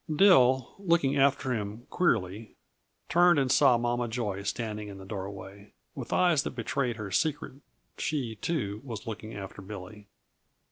Dill, looking after him queerly, turned and saw Mama Joy standing in the doorway. With eyes that betrayed her secret she, too, was looking after Billy.